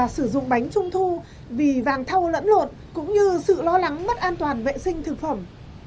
sử dụng bánh trung thu vì vàng thâu lẫn lộn cũng như sự lo lắng mất an toàn vệ sinh thực phẩm